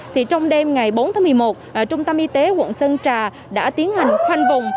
thì trong đêm ngày bốn tháng một mươi một trung tâm y tế quận sơn trà đã tiến hành khoanh vùng